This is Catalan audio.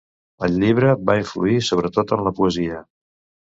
El llibre va influir, sobretot en la poesia.